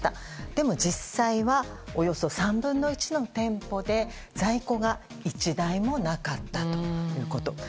でも、実際はおよそ３分の１の店舗で在庫が１台もなかったということ。